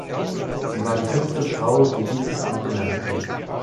Sie war die fünfte Frau, die dieses Amt innehatte.